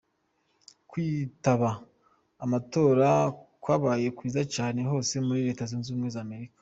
Kwitaba amatora kwabaye kwiza cane hose muri Leta Zunze Ubumwe za Amerika.